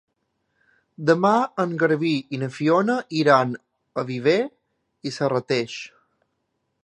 Demà en Garbí i na Fiona iran a Viver i Serrateix.